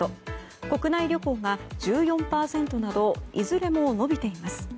国内旅行が１４％などいずれも伸びています。